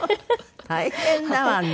大変だわね。